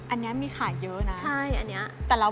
อันนี้มีขายเยอะนะแบบนี้นะครับใช่